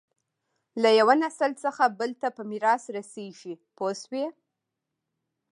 له یوه نسل څخه بل ته په میراث رسېږي پوه شوې!.